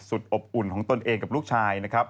อบอุ่นของตนเองกับลูกชายนะครับ